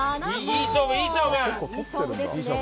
いい勝負、いい勝負！